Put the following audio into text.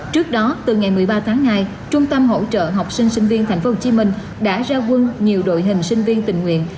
trước đó từ ngày một mươi ba tháng hai trung tâm hỗ trợ học sinh sinh viên thành phố hồ chí minh đã ra quân nhiều đội hình sinh viên tình nguyện